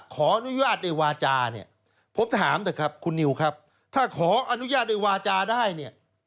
ขออนุญาตโดยวาจาผมถามคุณนิวครับถ้าขออนุญาตโดยวาจาได้